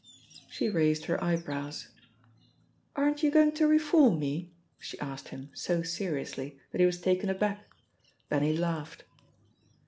She raised her eyebrows. "Aren't you going to reform me?" she asked him so seriously that he was taken aback. Then he laughed.